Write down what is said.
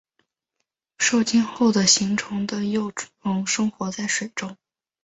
受精后的形成的幼虫生活在水中。